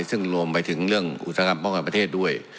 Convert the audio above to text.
ซึ่งรวมไปถึงเรื่องอุตสาหกรรมป้องกันประเทศด้วย